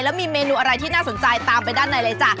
แล้วมีเมนูอะไรที่น่าสนใจตามไปด้านในเลยจ้ะ